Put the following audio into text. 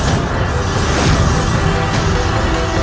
aku akan terus memburumu